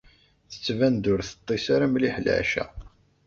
Tettban-d ur teṭṭis ara mliḥ leɛca.